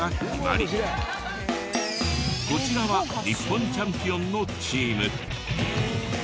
こちらは日本チャンピオンのチーム。